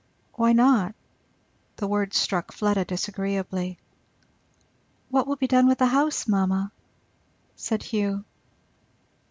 Why not? The words struck Fleda disagreeably. "What will be done with the house, mamma?" said Hugh.